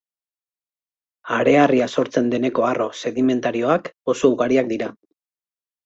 Hareharria sortzen deneko arro sedimentarioak oso ugariak dira.